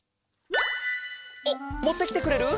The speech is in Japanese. あっもってきてくれる？